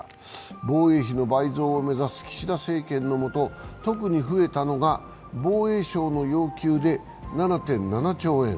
防衛費の倍増を目指す岸田政権のもと特に増えたのが防衛省の要求で７．７兆円。